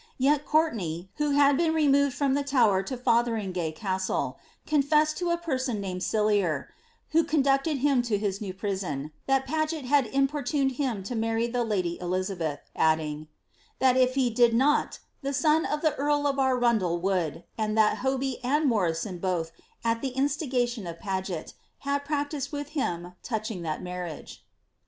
^ Yet Courlenay, who had been removed from the Tower to Fotheringay Castle, confessed to a person named Sellier, who conducted him to his new prison, that Paget had importuned him to marry the lady Elizabeth, adding, ^^ that if he did not, the son of the earl of Arundel would, and that Hoby and Morison both, at the instigation of Paget, had practised with him touching that marriage."